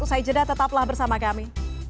usai jeda tetaplah bersama kami